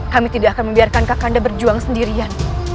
kami tidak akan membiarkan kak kanda berjuang sendirian